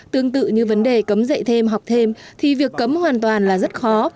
tương tự như vấn đề cấm dạy thêm học thêm thì việc cấm hoàn toàn là rất khó